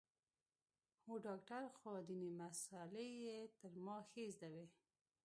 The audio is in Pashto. و ډاکتر خو ديني مسالې يې تر ما ښې زده وې.